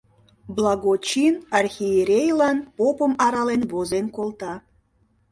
Благочин архиерейлан попым арален возен колта.